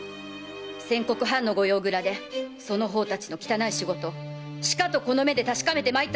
先刻藩の御用蔵でその方たちの汚い仕事しかとこの目で確かめてまいったぞ！